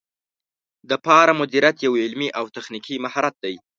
د فارم مدیریت یو علمي او تخنیکي مهارت دی.